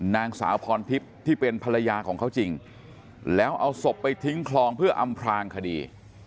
นางสาวพรทิพย์ที่เป็นภรรยาของเขาจริงแล้วเอาศพไปทิ้งคลองเพื่ออำพลางคดี